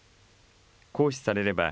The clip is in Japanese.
行使されれば、